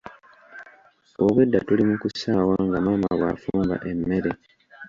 Obwedda tuli mu kusaawa nga maama bw'afumba emmere.